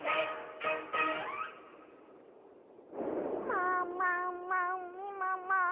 「もももみもも